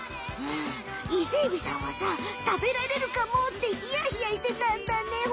うんイセエビさんはさ食べられるかもってヒヤヒヤしてたんだね